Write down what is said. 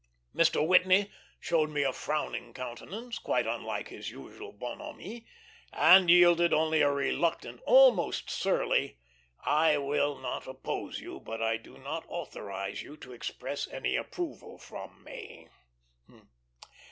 Mr. Whitney showed me a frowning countenance, quite unlike his usual bonhomie; and yielded only a reluctant, almost surly, "I will not oppose you, but I do not authorize you to express any approval from me."